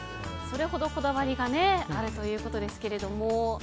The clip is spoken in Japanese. それほどこだわりがあるということですが。